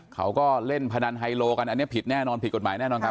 เขาก็เล่นพนันไฮโลกันอันนี้ผิดแน่นอนผิดกฎหมายแน่นอนครับ